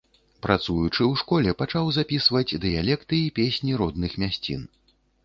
Працуючы ў школе, пачаў запісваць дыялекты і песні родных мясцін.